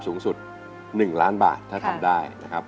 สูงสุด๑ล้านบาทถ้าทำได้นะครับ